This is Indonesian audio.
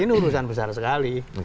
ini urusan besar sekali